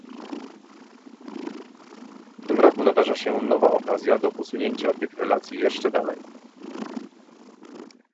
W tym roku nadarza się nowa okazja do posunięcia tych relacji jeszcze dalej